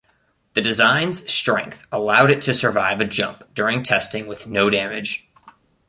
The design's strength allowed it to survive a jump during testing with no damage.